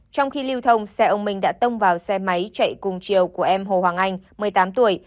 trong khi lưu thông xe ông minh đã tông vào xe máy chạy cùng chiều của em hồ hoàng anh một mươi tám tuổi